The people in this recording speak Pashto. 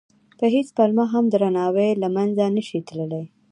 په هېڅ پلمه هم درناوی له منځه نه شي تللی.